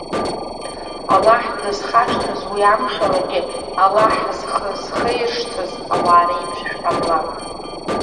Аллаҳ дызхашҭыз, уи амшалагьы Аллаҳ зхы зхеиршҭыз ауаа реиԥш шәҟамлан.